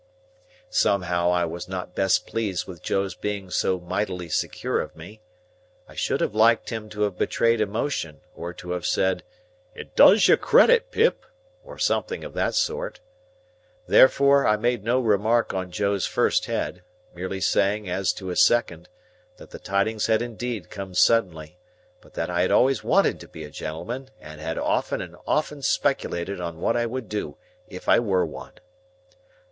Somehow, I was not best pleased with Joe's being so mightily secure of me. I should have liked him to have betrayed emotion, or to have said, "It does you credit, Pip," or something of that sort. Therefore, I made no remark on Joe's first head; merely saying as to his second, that the tidings had indeed come suddenly, but that I had always wanted to be a gentleman, and had often and often speculated on what I would do, if I were one.